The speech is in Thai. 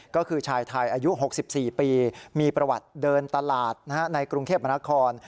ก็คือชายไทยอายุ๖๔ปีมีประวัติเดินตลาดในกรุงเทพมนาคม